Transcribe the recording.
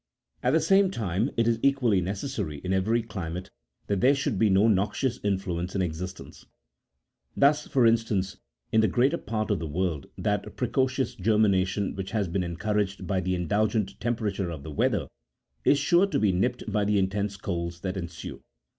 At the same time it is equally necessary in every climate that there should be no noxious influence in existence. Thus, for instance, in the greater part of the world, that precocious germination which has been encouraged by the indulgent tempe rature of the weather, is sure to be nipped by the intense colds that ensue.